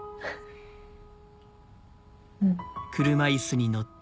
うん。